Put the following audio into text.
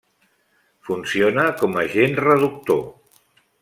Funciona com agent reductor.